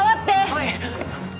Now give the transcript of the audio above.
はい！